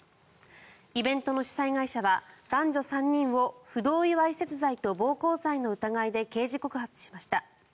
イベントの主催会社は男女３人を不同意わいせつ罪と暴行罪の疑いで刑事告発しました。